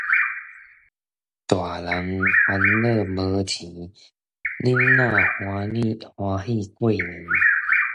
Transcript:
大人煩惱無錢，囡仔歡喜過年